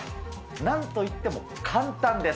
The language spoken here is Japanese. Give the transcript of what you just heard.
なんといっても簡単です。